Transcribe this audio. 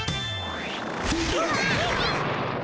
うわ。